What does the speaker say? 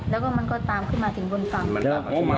แล้วก็เดินมา